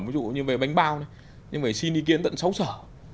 ví dụ như bánh bao này nhưng mà xin ý kiến tận sáu sở